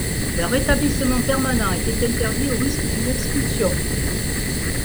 Leur établissement permanent était interdit, au risque d'une expulsion.